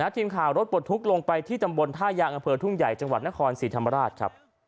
ทีมข่าวรถปลดทุกข์ลงไปที่ตำบลท่ายางอำเภอทุ่งใหญ่จังหวัดนครศรีธรรมราชครับ